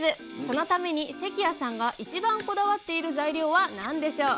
そのために関谷さんが一番こだわっている材料は何でしょう？